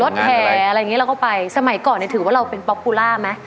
รถแถเราก็ไปสมัยก่อนถือว่าเราเป็นปอปพูล่าไหม